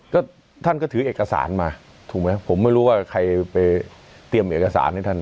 ก็ท่านก็ถือเอกสารมาถูกไหมผมไม่รู้ว่าใครไปเตรียมเอกสารให้ท่าน